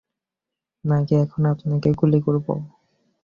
নাকি, এখন আপনাকেই গুলি করব?